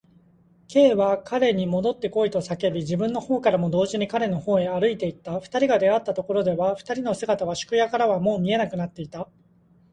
Ｋ は彼にもどってこいと叫び、自分のほうからも同時に彼のほうへ歩いていった。二人が出会ったところでは、二人の姿は宿屋からはもう見えなくなっていた。